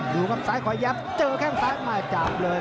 อยู่ข้างซ้ายขอยับเจอแข้งซ้ายมาจับเลย